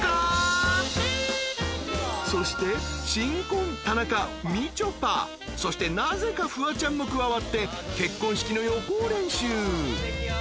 ［そして新婚田中みちょぱそしてなぜかフワちゃんも加わって］